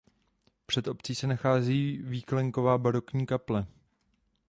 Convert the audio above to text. Před obcí se nachází výklenková barokní kaple.